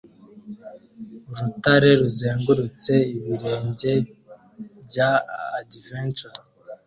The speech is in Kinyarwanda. Urutare ruzengurutse ibirenge bya adventure